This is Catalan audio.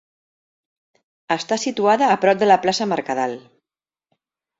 Està situada a prop de la Plaça Mercadal.